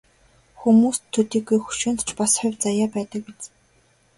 Хүмүүст төдийгүй хөшөөнд ч бас хувь заяа байдаг биз.